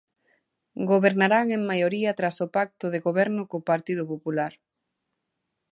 Gobernarán en maioría tras o pacto de goberno co Partido Popular.